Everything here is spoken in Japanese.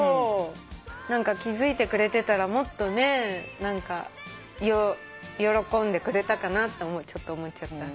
何か気付いてくれてたらもっと喜んでくれたかなってちょっと思っちゃった。